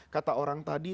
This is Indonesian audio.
kata orang tadi